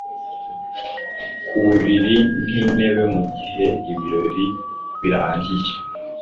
Kuburiri nintebe mugihe ibirori birangiye